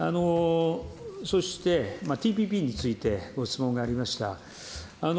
そして、ＴＰＰについてご質問がありました。